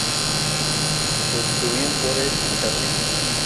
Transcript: Se distribuyen por el Antártico.